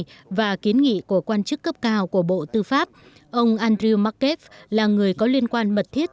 theo kiến nghị của quan chức cấp cao của bộ tư pháp ông andrew markep là người có liên quan mật thiết